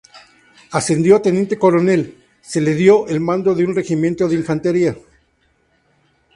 Ascendido a teniente coronel, se le dio el mando de un regimiento de infantería.